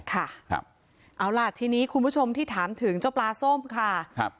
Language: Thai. ค่ะครับเอาล่ะทีนี้คุณผู้ชมที่ถามถึงเจ้าปลาส้มค่ะครับ